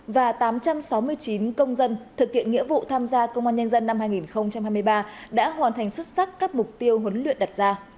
và tám trăm sáu mươi chín công dân thực hiện nghĩa vụ tham gia công an nhân dân năm hai nghìn hai mươi ba đã hoàn thành xuất sắc các mục tiêu huấn luyện đặt ra